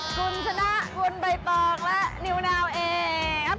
กูชนะคุณมายตองและนิ้วนาวเอง